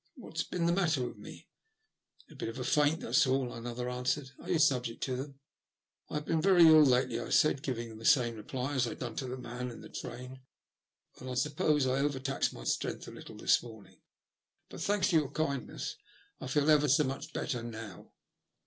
What has been the matter with me ?" "A bit of a faint, that's all," another answered. " Are you subject to them ?"" I've been very ill lately," I said, giving them the same reply as I had done to the man in the train, ''and I suppose I overtaxed my strength a little this morning. But, thanks to your kindness, I feel ever so much better now."